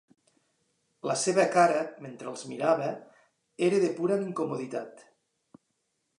La seva cara, mentre els mirava, era de pura incomoditat.